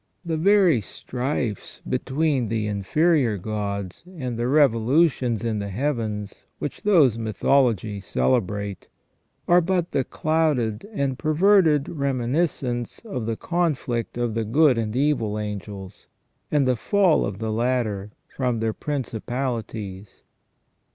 The very strifes between the inferior gods, and the revolutions in the heavens, which those mythologies celebrate, are but the clouded and perverted reminiscence of the conflict of the good and evil angels, and the fall of the latter from their principalities.